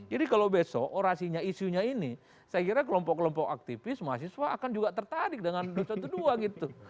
jadi kalau besok orasinya isunya ini saya kira kelompok kelompok aktivis mahasiswa akan juga tertarik dengan dua ratus dua belas gitu